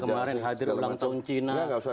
kemarin hadir ulang tahun cina